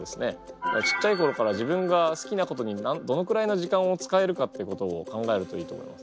ちっちゃい頃から自分が好きなことにどのくらいの時間を使えるかっていうことを考えるといいと思います。